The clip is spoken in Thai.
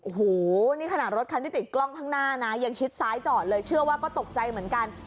โอ้โหนี่ขนาดรถคันที่ติดกล้องข้างหน้านะยังชิดซ้ายจอดเลยเชื่อว่าก็ตกใจเหมือนกัน